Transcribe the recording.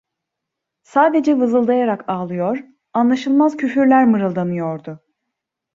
Sadece vızıldayarak ağlıyor, anlaşılmaz küfürler mırıldanıyordu.